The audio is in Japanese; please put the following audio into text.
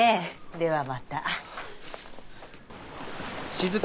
ではまた。